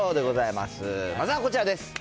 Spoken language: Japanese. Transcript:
まずはこちらです。